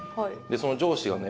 その上司がね